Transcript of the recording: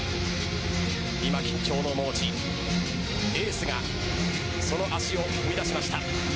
今緊張の面持ちエースがその足を踏み出しました。